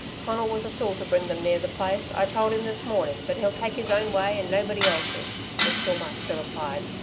"Conal was a fool to bring them near the place. I told him this morning, but he'll take his own way and nobody else's," the Schoolmaster replied.